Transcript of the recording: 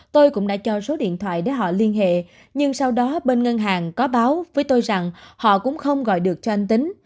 tôi cũng đã cho số điện thoại để họ liên hệ nhưng sau đó bên ngân hàng có báo với tôi rằng họ cũng không gọi được cho anh tính